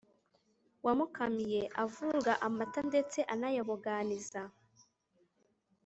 wamukamiye uvuruga amata ndetse aranayaboganiza